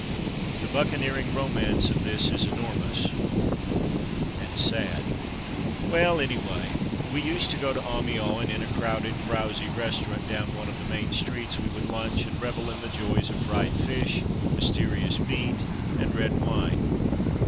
The buccaneering romance of this is enormous — and sad. . Well, anyway, we used to go to Amiens, and in a crowded, frowsy restaurant down one of the main streets we would lunch, and revel in the joys of fried fish, mysterious meat, and red wine.